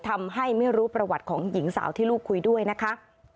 ทำให้ไม่รู้ประวัติของหญิงสาวที่ลูกคุยด้วยนะคะ